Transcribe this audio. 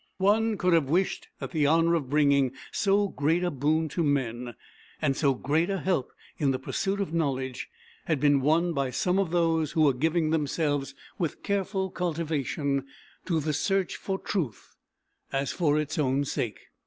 One could have wished that the honour of bringing so great a boon to men, and so great a help in the pursuit of knowledge, had been won by some of those who were giving themselves with careful cultivation to the search for truth as for its own sake.